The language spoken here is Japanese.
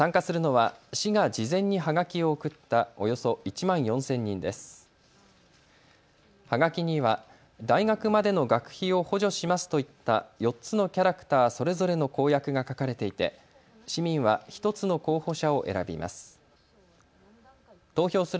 はがきには大学までの学費を補助しますといった４つのキャラクターそれぞれの公約が書かれていて市民は１つの候補者を選びます。